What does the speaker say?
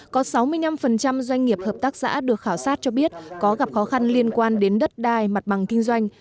có sáu mươi năm doanh nghiệp hợp tác xã được khảo sát cho biết có gặp khó khăn liên quan đến đất đai mặt bằng kinh doanh